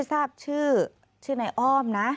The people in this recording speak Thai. ทราบชื่อชื่อนายอ้อมนะ